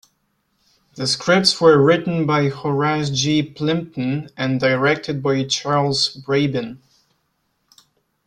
The scripts were written by Horace G. Plympton and directed by Charles Brabin.